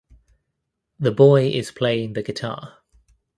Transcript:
The boy is playing the guitar.